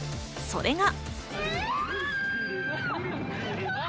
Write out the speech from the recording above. それが。